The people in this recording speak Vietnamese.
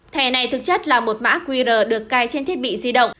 thẻ này thực chất là một mã qr được cài trên thiết bị di động